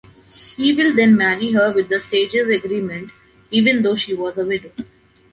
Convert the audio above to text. He will then marry her with the Sages’ agreement, even though she was a widow.